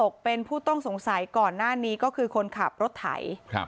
เขาให้ตังค์มาต้องหลอยมันก็เจ๊กเด็กไป